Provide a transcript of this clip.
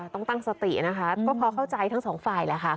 ต้องตั้งสตินะคะก็พอเข้าใจทั้งสองฝ่ายแหละค่ะ